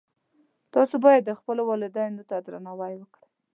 تاسو باید خپلو والدینو ته درناوی وکړئ